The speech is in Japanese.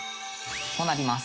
「こうなります」